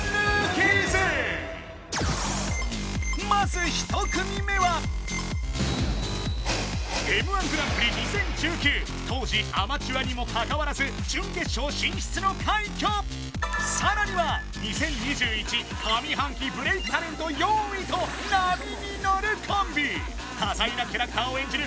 まず１組目はＭ−１グランプリ２０１９当時アマチュアにもかかわらず準決勝進出の快挙さらには２０２１上半期ブレイクタレント４位と波に乗るコンビ多彩なキャラクターを演じる